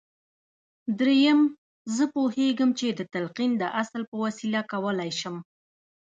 درېيم زه پوهېږم چې د تلقين د اصل په وسيله کولای شم.